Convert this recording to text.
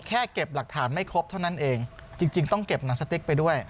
แค่เก็บหลักฐานไม่ครบเท่านั้นเองจริงต้องเก็บหนังสติ๊กไปด้วย